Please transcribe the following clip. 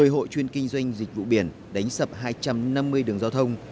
một mươi hộ chuyên kinh doanh dịch vụ biển đánh sập hai trăm năm mươi đường giao thông